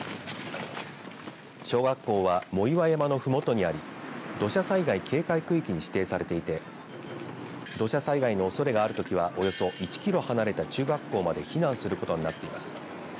小学校は藻岩山のふもとにあり土砂災害警戒区域に指定されていて土砂災害のおそれがあるときはおよそ１キロ離れた中学校まで避難することになっています。